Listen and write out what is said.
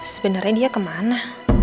sebenernya dia kemana